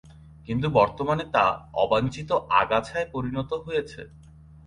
কিন্তু বর্তমানে তা অবাঞ্ছিত আগাছায় পরিণত হয়েছে।